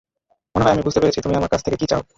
মনেহয় আমি বুঝতে পেরেছি তুমি আমার কাছ থেকে কি চাও।